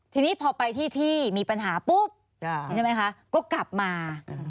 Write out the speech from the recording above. ทีนี้พอไปที่ที่มีปัญหาปุ๊บใช่ไหมคะก็กลับมา